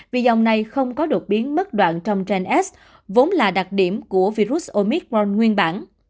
vì dòng này không có đột biến mất đoạn trong gen s vốn là đặc điểm của virus omicron nguyên bản